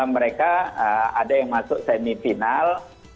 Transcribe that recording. mereka ada yang masuk semifinal